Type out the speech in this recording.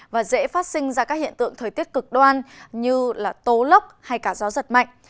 và dễ phát sinh ra các hiện tượng thời tiết cực đoan như tố lốc hay cả gió giật mạnh